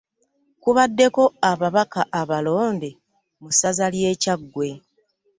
Kubaddeko Ababaka abalonde mu ssaza ly'e Kyaggwe